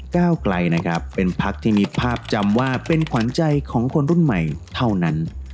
ก้าวไกลนะครับเป็นพักที่มีภาพจำว่าเป็นขวัญใจของคนรุ่นใหม่เท่านั้น